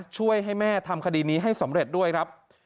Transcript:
ช่วยให้แม่ทำคดีนี้ให้สำเร็จด้วยครับ